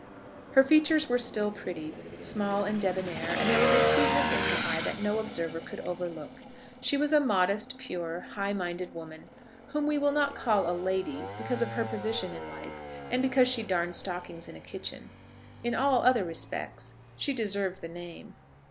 Her features were still pretty, small, and débonnaire, and there was a sweetness in her eyes that no observer could overlook. She was a modest, pure, high minded woman, whom we will not call a lady, because of her position in life, and because she darned stockings in a kitchen. In all other respects she deserved the name.